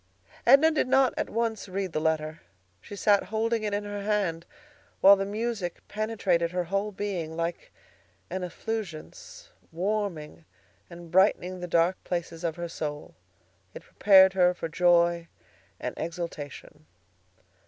Edna did not at once read the letter. She sat holding it in her hand, while the music penetrated her whole being like an effulgence, warming and brightening the dark places of her soul. It prepared her for joy and exultation.